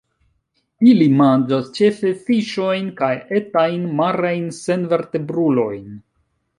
Ili manĝas ĉefe fiŝojn kaj etajn marajn senvertebrulojn.